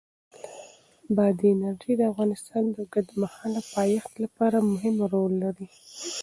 بادي انرژي د افغانستان د اوږدمهاله پایښت لپاره مهم رول لري.